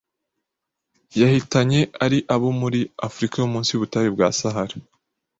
yahitanye ari abo muri Afurika yo munsi y’ubutayu bwa Sahara.